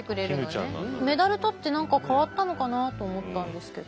メダル取って何か変わったのかなと思ったんですけど。